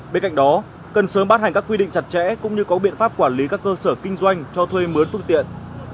bên cạnh đó cần sớm bán hành các quy định chặt chẽ cũng như có biện pháp quản lý các cơ sở kinh doanh cho thuê mướn phương tiện